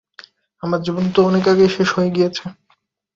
আমার জীবন তো অনেক আগেই শেষ হয়ে গিয়েছে।